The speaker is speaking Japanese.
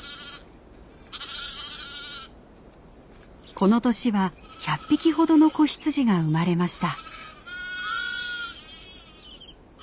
この年は１００匹ほどの子羊が生まれました。